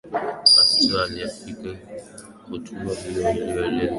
Castro aliafiki hatua hiyo aliyoielezea kuwa hatua nzuri ya kutafuta mani ya kikanda